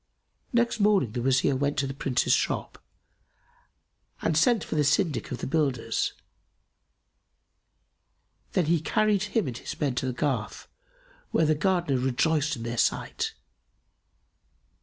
Next morning the Wazir went to the Prince's shop and sent for the syndic of the builders; then he carried him and his men to the garth, where the Gardener rejoiced in their sight.